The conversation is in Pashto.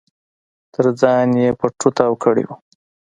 تر ځان يې پټو تاو کړی و.